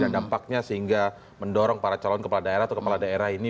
dan dampaknya sehingga mendorong para calon kepala daerah atau kepala daerah ini